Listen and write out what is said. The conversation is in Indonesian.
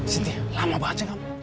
sending lama banget dan kamu